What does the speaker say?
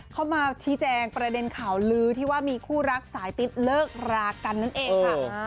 เข้ามาชี้แจงประเด็นข่าวลือที่ว่ามีคู่รักสายติ๊ดเลิกรากันนั่นเองค่ะ